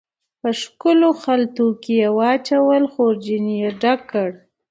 په ښکلو خلطو کې واچولې، خورجین یې ډکه کړه